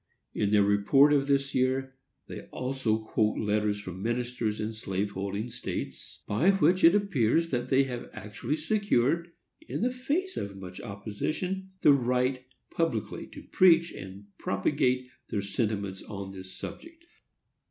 In their report of this year they also quote letters from ministers in slave holding states, by which it appears that they have actually secured, in the face of much opposition, the right publicly to preach and propagate their sentiments upon this subject.